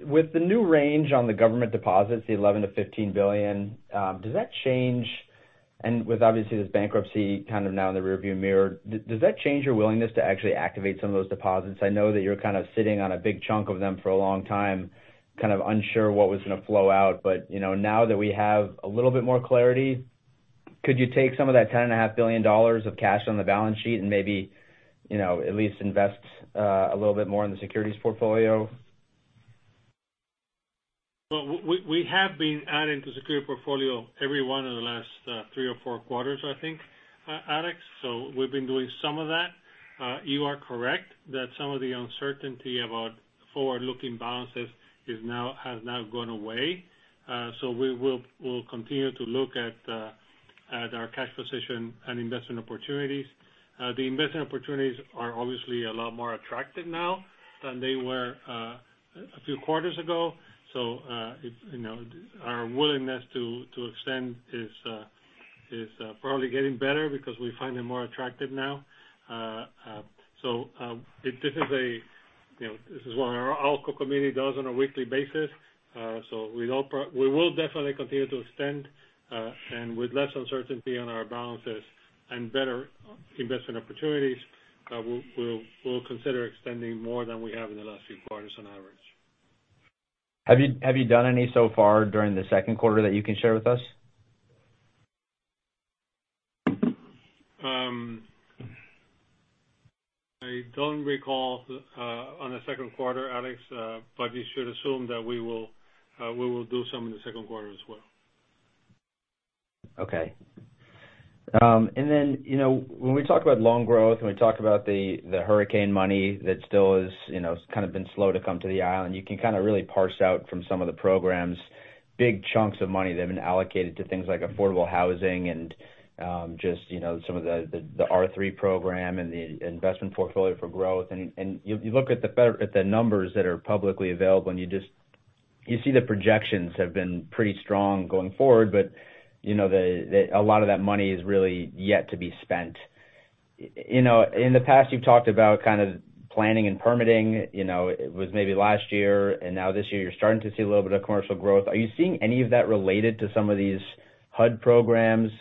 With the new range on the government deposits, the $11 billion-$15 billion, with obviously this bankruptcy kind of now in the rearview mirror, does that change your willingness to actually activate some of those deposits? I know that you're kind of sitting on a big chunk of them for a long time, kind of unsure what was going to flow out. You know, now that we have a little bit more clarity, could you take some of that $10.5 billion of cash on the balance sheet and maybe, you know, at least invest a little bit more in the securities portfolio? Well, we have been adding to securities portfolio every one of the last three or four quarters, I think, Alex. We've been doing some of that. You are correct that some of the uncertainty about forward-looking balances has now gone away. We'll continue to look at our cash position and investment opportunities. The investment opportunities are obviously a lot more attractive now than they were a few quarters ago. You know, our willingness to extend is probably getting better because we find them more attractive now. You know, this is what our ALCO committee does on a weekly basis. We will definitely continue to extend, and with less uncertainty on our balances and better investment opportunities, we'll consider extending more than we have in the last few quarters on average. Have you done any so far during the second quarter that you can share with us? I don't recall on the second quarter, Alex, but you should assume that we will do some in the second quarter as well. Okay. Then, you know, when we talk about loan growth, and we talk about the hurricane money that still is, you know, kind of been slow to come to the island, you can kind of really parse out from some of the programs, big chunks of money that have been allocated to things like affordable housing and, just, you know, some of the R3 program and the investment portfolio for growth. You look at the federal numbers that are publicly available, and you just, you see the projections have been pretty strong going forward. You know, a lot of that money is really yet to be spent. You know, in the past, you've talked about kind of planning and permitting, you know, it was maybe last year, and now this year you're starting to see a little bit of commercial growth. Are you seeing any of that related to some of these HUD programs?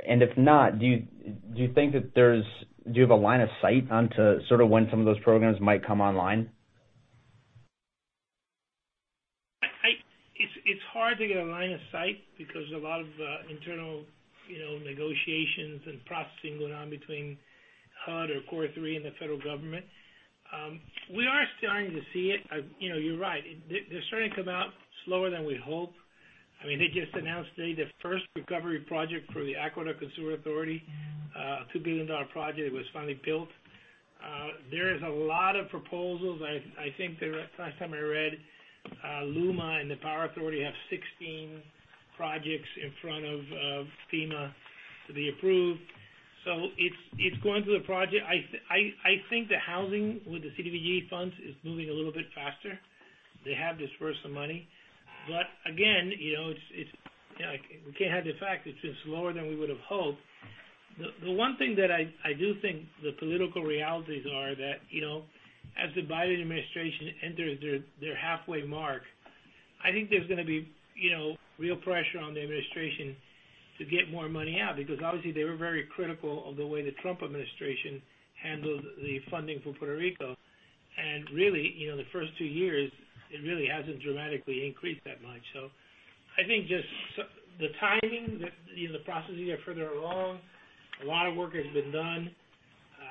If not, do you have a line of sight onto sort of when some of those programs might come online? It's hard to get a line of sight because a lot of internal, you know, negotiations and processing going on between HUD, COR3 and the federal government. We are starting to see it. You know, you're right. They're starting to come out slower than we'd hope. I mean, they just announced today the first recovery project for the Puerto Rico Aqueduct and Sewer Authority, $2 billion project was finally built. There is a lot of proposals. I think the last time I read, LUMA Energy and the Puerto Rico Electric Power Authority have 16 projects in front of FEMA to be approved. So it's going through the process. I think the housing with the CDBG funds is moving a little bit faster. They have disbursed some money. Again, you know, it's. We can't have the fact it's slower than we would have hoped. The one thing that I do think the political realities are that, you know, as the Biden administration enters their halfway mark, I think there's gonna be, you know, real pressure on the administration to get more money out, because obviously, they were very critical of the way the Trump administration handled the funding for Puerto Rico. Really, you know, the first two years, it really hasn't dramatically increased that much. I think just the timing that in the process to get further along, a lot of work has been done.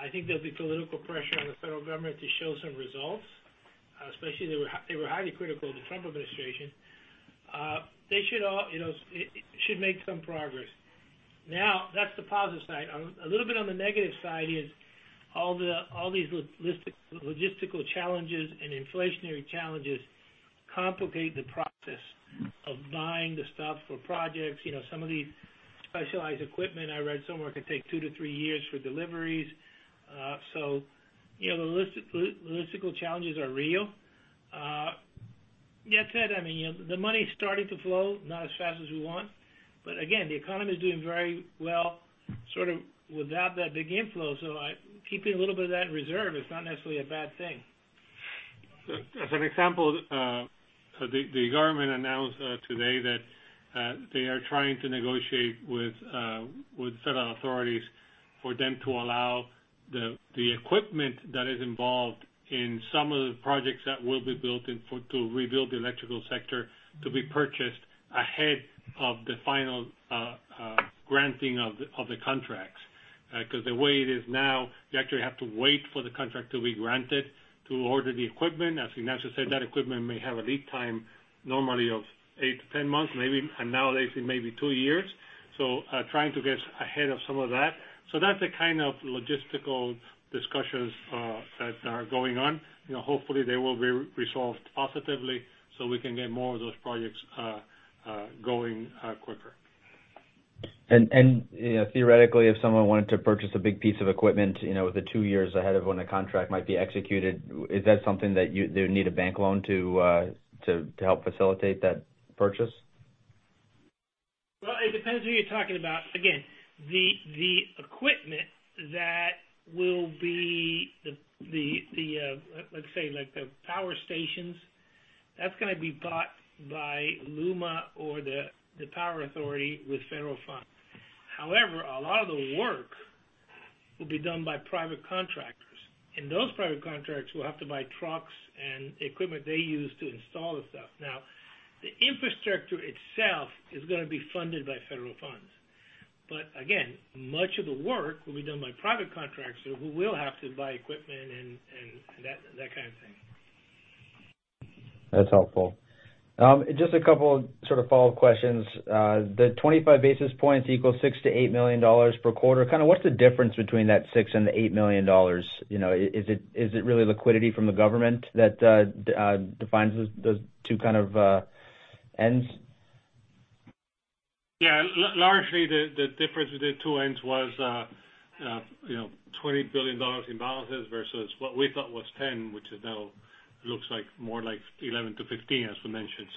I think there'll be political pressure on the federal government to show some results, especially they were highly critical of the Trump administration. You know, it should make some progress. Now, that's the positive side. A little bit on the negative side is all these logistical challenges and inflationary challenges complicate the process of buying the stuff for projects. You know, some of these specialized equipment I read somewhere, it could take two to three years for deliveries. You know, the logistical challenges are real. That said, I mean, the money is starting to flow, not as fast as we want. Again, the economy is doing very well, sort of without that big inflow. Keeping a little bit of that reserve is not necessarily a bad thing. As an example, the government announced today that they are trying to negotiate with federal authorities for them to allow the equipment that is involved in some of the projects that will be built to rebuild the electrical sector to be purchased ahead of the final granting of the contracts. 'Cause the way it is now, you actually have to wait for the contract to be granted to order the equipment. As Ignacio said, that equipment may have a lead time normally of 8 months-10 months, maybe, and nowadays it may be two years. Trying to get ahead of some of that. That's the kind of logistical discussions that are going on. You know, hopefully they will be resolved positively so we can get more of those projects going quicker. You know, theoretically, if someone wanted to purchase a big piece of equipment, you know, with the two years ahead of when a contract might be executed, is that something that they would need a bank loan to help facilitate that purchase? Well, it depends who you're talking about. Again, the equipment that will be, let's say, like, the power stations, that's gonna be bought by LUMA or the power authority with federal funds. However, a lot of the work will be done by private contractors, and those private contractors will have to buy trucks and equipment they use to install the stuff. Now, the infrastructure itself is gonna be funded by federal funds. Again, much of the work will be done by private contractors who will have to buy equipment and that kind of thing. That's helpful. Just a couple sort of follow-up questions. The 25 basis points equals $6 million-$8 million per quarter. Kind of what's the difference between that $6 million and the $8 million? You know, is it really liquidity from the government that defines those two kind of ends? Yeah. Largely the difference between the two ends was, you know, $20 billion in balances versus what we thought was $10 billion, which now looks like more like $11 billion-$15 billion, as we mentioned.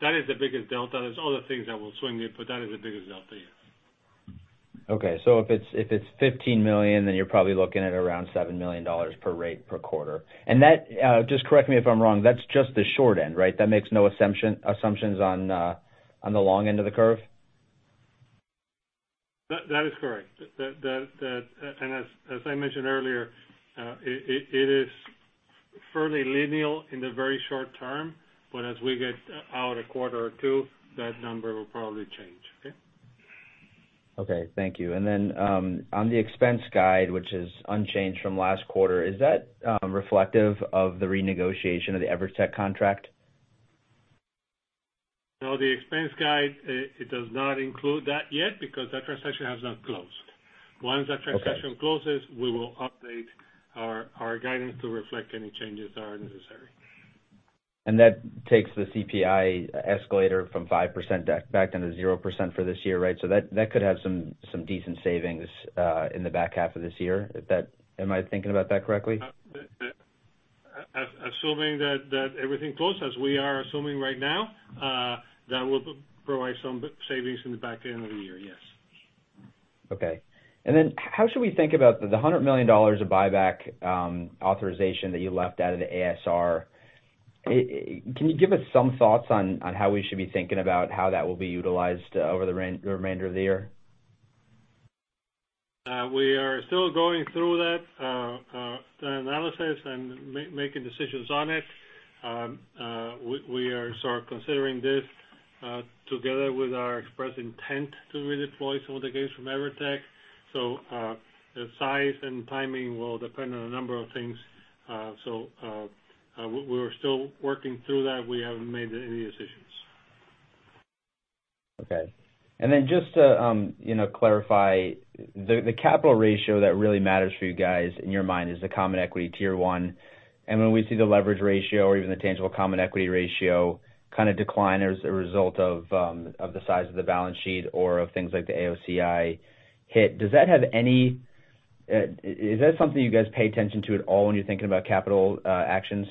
That is the biggest delta. There are other things that will swing it, but that is the biggest delta, yes. Okay. If it's $15 million, then you're probably looking at around $7 million per rate per quarter. That just correct me if I'm wrong, that's just the short end, right? That makes no assumptions on the long end of the curve? That is correct. As I mentioned earlier, it is fairly linear in the very short term, but as we get out a quarter or two, that number will probably change. Okay? Okay. Thank you. On the expense guidance, which is unchanged from last quarter, is that reflective of the renegotiation of the Evertec contract? No, the expense guide, it does not include that yet because that transaction has not closed. Okay. Once that transaction closes, we will update our guidance to reflect any changes that are necessary. That takes the CPI escalator from 5% back down to 0% for this year, right? That could have some decent savings in the back half of this year. Is that? Am I thinking about that correctly? Assuming that everything closes, we are assuming right now that will provide some savings in the back end of the year, yes. Okay. How should we think about the $100 million of buyback authorization that you left out of the ASR? Can you give us some thoughts on how we should be thinking about how that will be utilized over the remainder of the year? We are still going through that, the analysis and making decisions on it. We are sort of considering this together with our expressed intent to redeploy some of the gains from Evertec. The size and timing will depend on a number of things. We're still working through that. We haven't made any decisions. Okay. Just to, you know, clarify, the capital ratio that really matters for you guys in your mind is the Common Equity Tier 1. When we see the leverage ratio or even the tangible common equity ratio kind of decline as a result of the size of the balance sheet or of things like the AOCI hit, does that have any, is that something you guys pay attention to at all when you're thinking about capital actions?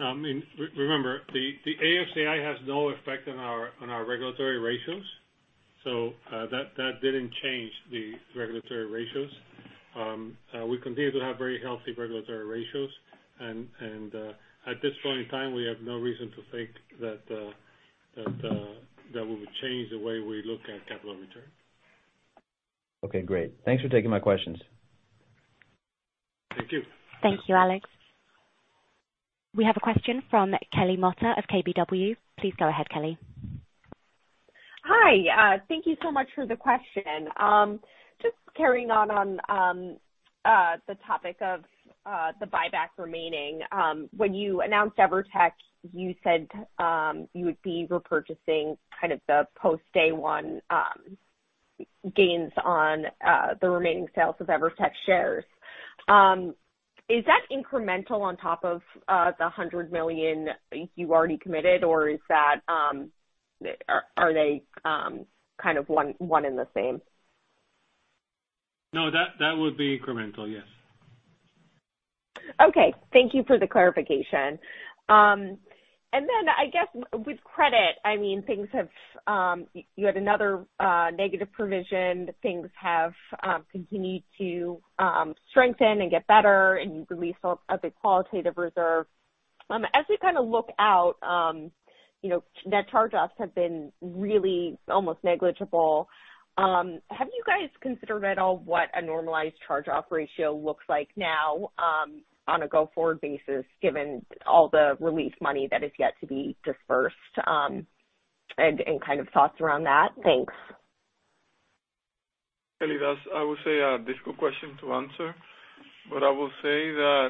I mean, remember, the AOCI has no effect on our regulatory ratios, so that didn't change the regulatory ratios. We continue to have very healthy regulatory ratios. At this point in time, we have no reason to think that that would change the way we look at capital return. Okay, great. Thanks for taking my questions. Thank you. Thank you, Alex. We have a question from Kelly Motta of KBW. Please go ahead, Kelly. Hi. Thank you so much for the question. Just carrying on the topic of the buyback remaining, when you announced Evertec, you said you would be repurchasing kind of the post day one gains on the remaining sales of Evertec shares. Is that incremental on top of the $100 million you already committed, or is that are they kind of one and the same? No, that would be incremental, yes. Okay. Thank you for the clarification. I guess with credit, I mean things have, you had another, negative provision. Things have continued to strengthen and get better, and you released a big qualitative reserve. As we kind of look out, you know, net charge-offs have been really almost negligible. Have you guys considered at all what a normalized charge-off ratio looks like now, on a go-forward basis, given all the relief money that is yet to be dispersed, and kind of thoughts around that? Thanks. Kelly, that's, I would say, a difficult question to answer. I will say that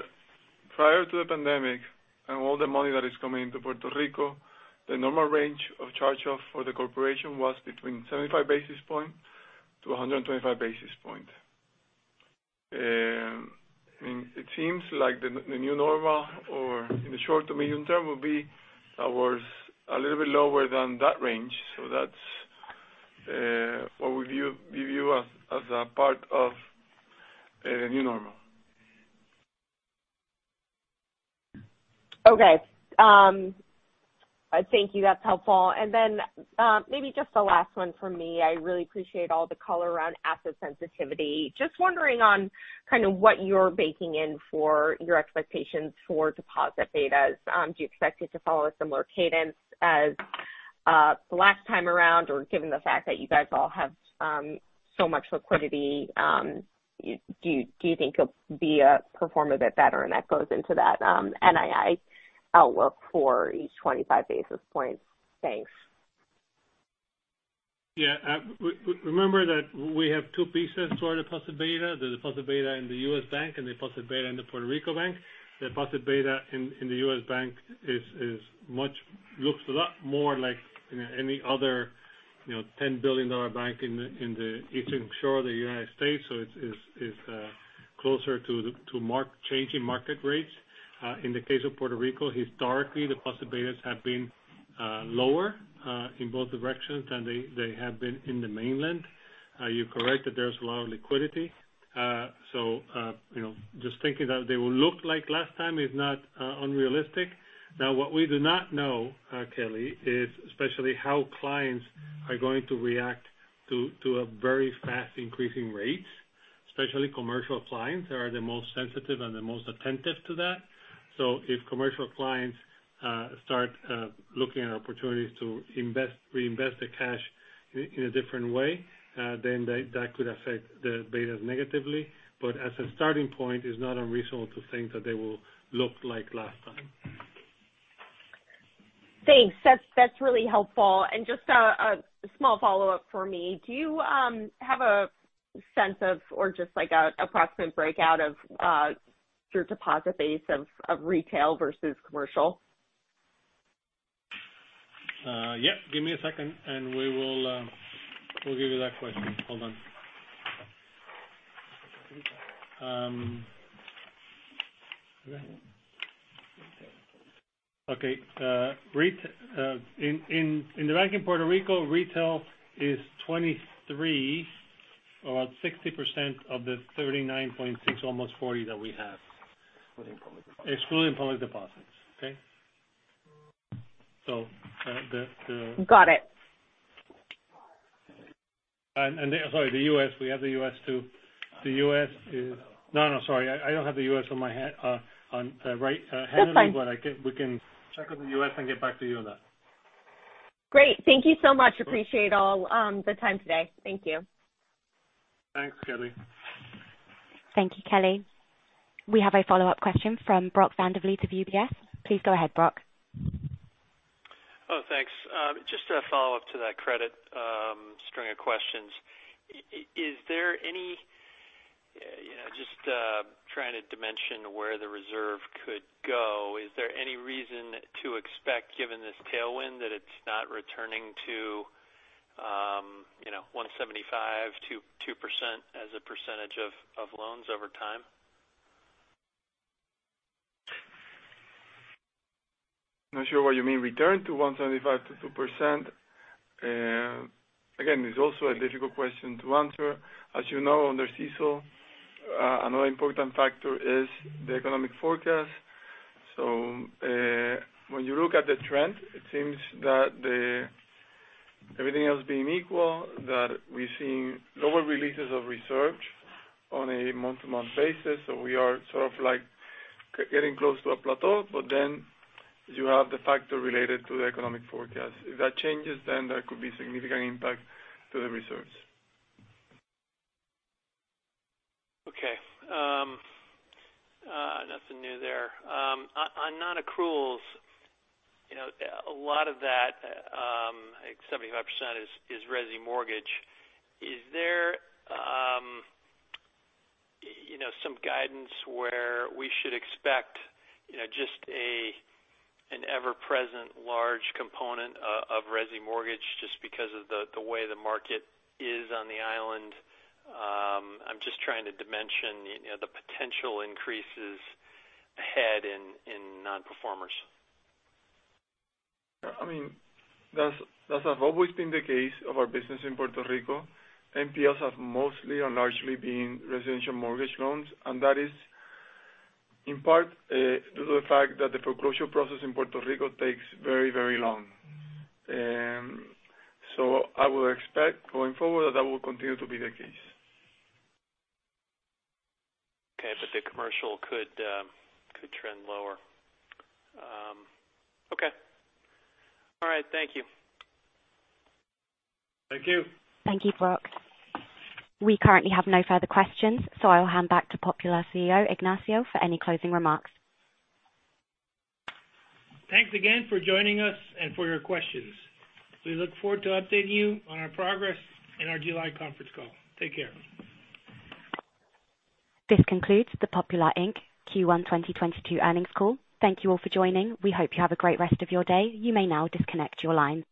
prior to the pandemic and all the money that is coming into Puerto Rico, the normal range of charge-off for the corporation was between 75 basis points-125 basis points. I mean, it seems like the new normal or in the short to medium term will be was a little bit lower than that range. That's what we view as a part of new normal. Okay. Thank you. That's helpful. Then, maybe just the last one from me. I really appreciate all the color around asset sensitivity. Just wondering on kind of what you're baking in for your expectations for deposit betas? Do you expect it to follow a similar cadence as the last time around, or given the fact that you guys all have so much liquidity, do you think it'll perform a bit better and that goes into that NII outlook for each 25 basis points? Thanks. Yeah. Remember that we have two pieces for the deposit beta, the deposit beta in the U.S. bank and the deposit beta in the Puerto Rico bank. The deposit beta in the U.S. bank looks a lot more like any other, you know, $10 billion bank in the eastern shore of the United States. So it's closer to the changing market rates. In the case of Puerto Rico, historically, the deposit betas have been lower in both directions than they have been in the mainland. You're correct that there's a lot of liquidity. You know, just thinking that they will look like last time is not unrealistic. Now, what we do not know, Kelly, is especially how clients are going to react to a very fast increasing rates, especially commercial clients. They are the most sensitive and the most attentive to that. If commercial clients start looking at opportunities to reinvest the cash in a different way, then that could affect the betas negatively. As a starting point, it's not unreasonable to think that they will look like last time. Thanks. That's really helpful. Just a small follow-up for me. Do you have a sense of or just like a approximate breakout of your deposit base of retail versus commercial? Yep. Give me a second, and we will, we'll give you that question. Hold on. Okay. In the bank in Puerto Rico, retail is $23, about 60% of the $39.6, almost $40 that we have. Excluding public deposits. Excluding public deposits. Okay? Got it. Sorry, the U.S. We have the U.S. too. The U.S. is- No. No, no, sorry. I don't have the U.S. on hand. That's fine. We can check on the U.S. and get back to you on that. Great. Thank you so much. Appreciate all the time today. Thank you. Thanks, Kelly. Thank you, Kelly. We have a follow-up question from Brock Vandervliet of UBS. Please go ahead, Brock. Oh, thanks. Just a follow-up to that credit string of questions. You know, just trying to dimension where the reserve could go, is there any reason to expect, given this tailwind, that it's not returning to, you know, 1.75%-2% as a percentage of loans over time? Not sure what you mean return to 1.75%-2%. Again, it's also a difficult question to answer. As you know, under CECL, another important factor is the economic forecast. When you look at the trend, it seems that everything else being equal, that we're seeing lower releases of reserves on a month-to-month basis. We are sort of like getting close to a plateau. You have the factor related to the economic forecast. If that changes, then there could be significant impact to the reserves. Okay. Nothing new there. On non-accruals, you know, a lot of that, like 75% is resi mortgage. Is there, you know, some guidance where we should expect, you know, just a, an ever-present large component of resi mortgage just because of the way the market is on the island? I'm just trying to dimension, you know, the potential increases ahead in non-performers. I mean, that has always been the case of our business in Puerto Rico. NPLs have mostly and largely been residential mortgage loans, and that is in part due to the fact that the foreclosure process in Puerto Rico takes very, very long. I would expect going forward that will continue to be the case. Okay. The commercial could trend lower. Okay. All right. Thank you. Thank you. Thank you, Brock. We currently have no further questions, so I'll hand back to Popular CEO, Ignacio, for any closing remarks. Thanks again for joining us and for your questions. We look forward to updating you on our progress in our July conference call. Take care. This concludes the Popular, Inc. Q1 2022 earnings call. Thank you all for joining. We hope you have a great rest of your day. You may now disconnect your line.